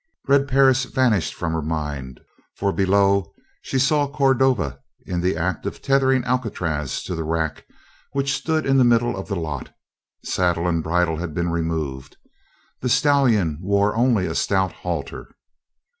Red Perris vanished from her mind, for below her she saw Cordova in the act of tethering Alcatraz to the rack which stood in the middle of the lot; saddle and bridle had been removed the stallion wore only a stout halter.